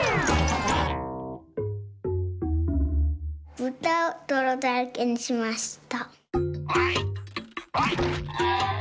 ぶたをどろだらけにしました。